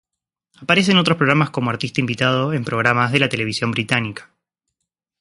Aparece en otros programas como artista invitado en programas de la televisión británica.